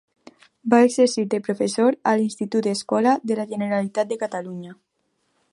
Va exercir de professor a l'Institut-Escola de la Generalitat de Catalunya.